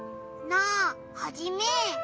なあハジメ！